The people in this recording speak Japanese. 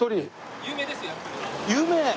有名？